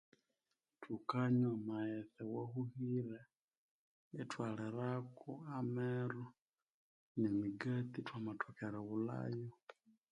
Thukanywa amaghetse awahuhire ithwalirako amero nemigatti thwamathoka erighulhayo